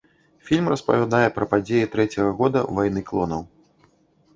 Фільм распавядае пра падзеі трэцяга года вайны клонаў.